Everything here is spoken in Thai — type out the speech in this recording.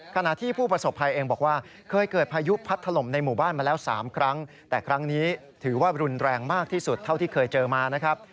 ขณะที่ผู้ประสบภัยเองบอกว่าเคยเกิดพายุพัดถล่มในหมู่บ้านมาแล้ว๓ครั้งแต่ครั้งนี้ถือว่ารุนแรงมากที่สุดเท่าที่เคยเจอมานะครับ